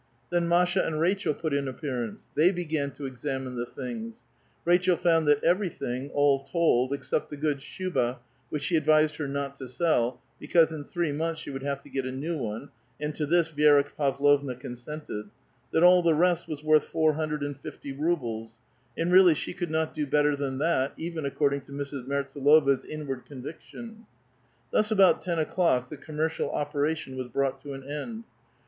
Then Masha and Rachel put in appearance. They began to examine the things ; Rachel found that everything, all told — except the good shttba^ which she advised her not to sell, because in three months she would have to get a new one, and to this Vi^ra Favlovna consented ; that all the rest was worth four hun dred and fifty rubles ; and really she could not do better than that, even according to Mrs. Mertsdlova's inward con viction. Thus about ten o'clock, the commercial operation was brought to an end.